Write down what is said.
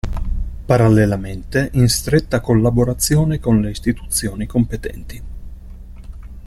Parallelamente in stretta collaborazione con le istituzioni competenti.